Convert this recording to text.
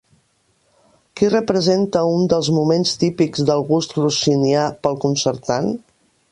Qui representa un dels moments típics del gust rossinià pel concertant?